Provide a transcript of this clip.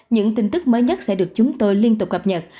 những tin tức mới nhất sẽ được chúng tôi liên tục cập nhật